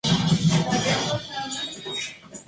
Esto condujo a un alza del "turismo de fertilidad" en Irán.